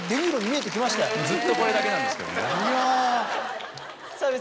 ずっとこれだけなんですけどね。